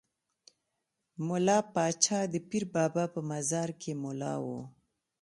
ملا پاچا د پیر بابا په مزار کې ملا وو.